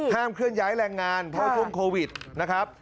เคลื่อนย้ายแรงงานเพราะช่วงโควิดนะครับ